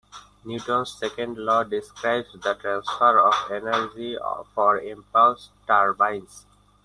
Newton's second law describes the transfer of energy for impulse turbines.